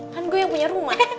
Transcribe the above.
kan gue yang punya rumah